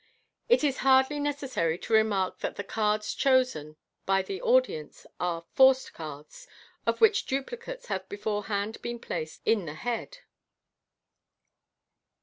It is hardly necessary to remark that the cards chosen bv the MODERN MAGIC. 46. audit nee ?.f, forced" cards, of which duplicates have beforehand been placed a* the head.